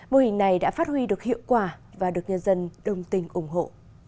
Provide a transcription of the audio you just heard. mô hình này đã phát huy được hiệu quả và được nhân dân đồng tình ủng hộ